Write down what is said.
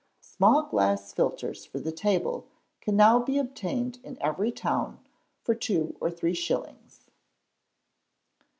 Small glass filters for the table can now be obtained in every town for two or three shillings.